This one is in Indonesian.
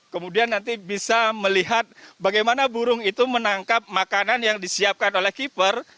kemudian nanti bisa melihat bagaimana burung itu menangkap makanan yang disiapkan oleh keeper